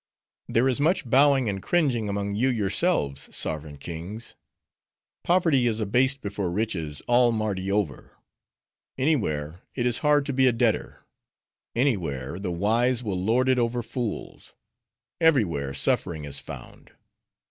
There is much bowing and cringing among you yourselves, sovereign kings! Poverty is abased before riches, all Mardi over; any where, it is hard to be a debtor; any where, the wise will lord it over fools; every where, suffering is found.